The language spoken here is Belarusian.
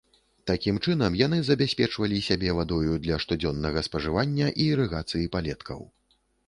Такім чынам яны забяспечвалі сябе вадою для штодзённага спажывання і ірыгацыі палеткаў.